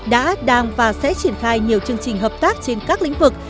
đã đang và sẽ triển khai nhiều chương trình hợp tác trên các lĩnh vực